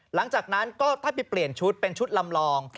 หลังจากนั้นก็ถ้าไปเปลี่ยนชุดเป็นชุดลำลอง